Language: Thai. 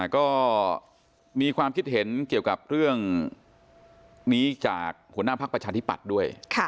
ก็มีความคิดเห็นเกี่ยวกับเรื่องนี้จากหัวหน้าพักประชาธิปัตย์ด้วย